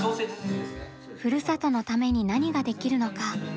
ふるさとのために何ができるのか。